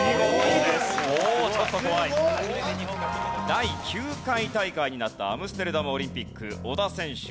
第９回大会になったアムステルダムオリンピック織田選手